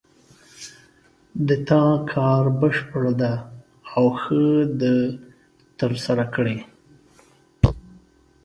د تا کار بشپړ ده او ښه د ترسره کړې